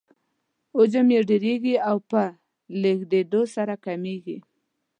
حجم یې ډیریږي او په لږیدو سره کمیږي.